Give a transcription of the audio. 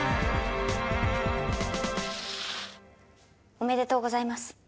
おめでとうございます。